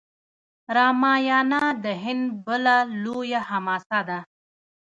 راماینا د هند بله لویه حماسه ده.